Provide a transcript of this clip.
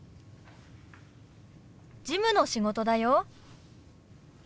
事務の仕事だよ。